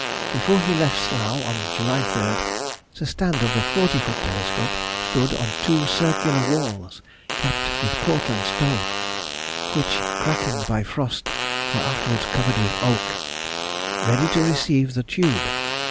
Before he left Slough on July 3rd, the stand of the forty foot telescope stood on two circular walls capped with Portland stone (which, cracking by frost, were afterwards covered with oak) ready to receive the tube.